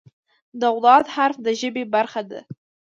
د "ض" حرف د ژبې برخه ده.